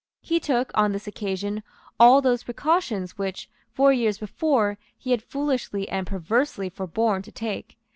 He took, on this occasion, all those precautions which, four years before, he had foolishly and perversely forborne to take.